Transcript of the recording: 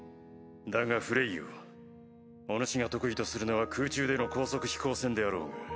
だがフレイよお主が得意とするのは空中での高速飛行戦であろうが。